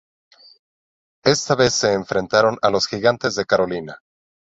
Esta vez se enfrentaron a los Gigantes de Carolina.